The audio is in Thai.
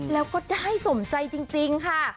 แล้วก็ได้สมใจจริงค่ะ